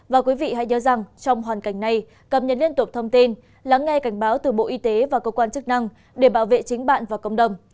và quý vị hãy nhớ rằng trong hoàn cảnh này cập nhật liên tục thông tin lắng nghe cảnh báo từ bộ y tế và cơ quan chức năng để bảo vệ chính bạn và cộng đồng